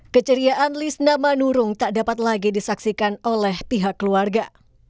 keceriaan lisna manurung tak dapat lagi disaksikan oleh pihak keluarga